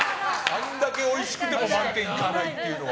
あんだけおいしくても満点いかないのは。